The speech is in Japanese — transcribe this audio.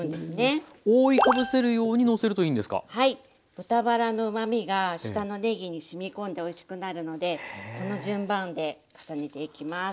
豚バラのうまみが下のねぎにしみこんでおいしくなるのでこの順番で重ねていきます。